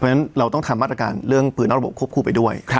เพราะฉะนั้นเราต้องทำมาตรการเรื่องปืนนอกระบบควบคู่ไปด้วย